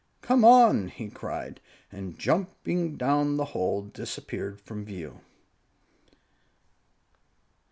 "Come on!" he cried, and jumping down the hole, disappeared from view.